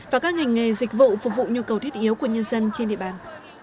và các ngành nghề dịch vụ phục vụ nhu cầu thiết yếu của nhân dân trên địa bàn